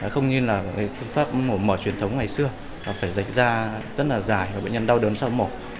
không như là phương pháp mổ mở truyền thống ngày xưa phải dạy da rất là dài và bệnh nhân đau đớn sau mổ